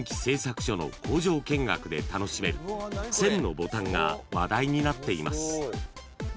製作所の工場見学で楽しめる１，０００のボタンが話題になっています］